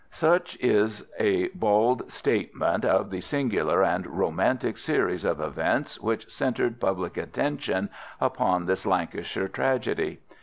Such is a bald statement of the singular and romantic series of events which centred public attention upon this Lancashire tragedy.